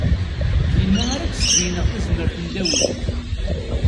Dinna ara d-sbeyyneɣ tazmert n Dawed.